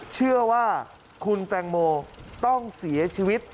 เชื่อว่าคุณแตงโมต้องเสียชีวิต